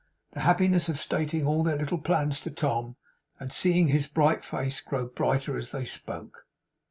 The happiness of stating all their little plans to Tom, and seeing his bright face grow brighter as they spoke!